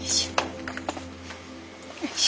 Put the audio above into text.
よいしょ。